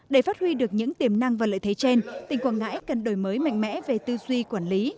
để phát huy được những tiềm năng và lợi thế trên tỉnh quảng ngãi cần đổi mới mạnh mẽ về tư duy quản lý